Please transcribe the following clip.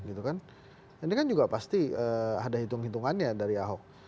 ini kan juga pasti ada hitung hitungannya dari ahok